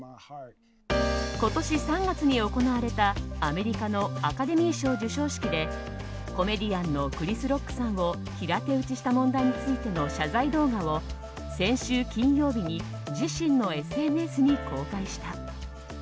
今年３月に行われたアメリカのアカデミー賞授賞式でコメディアンのクリス・ロックさんを平手打ちした問題についての謝罪動画を先週金曜日に自身のＳＮＳに公開した。